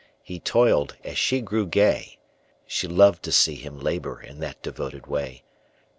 He toiled as she grew gay. She loved to see him labor In that devoted way.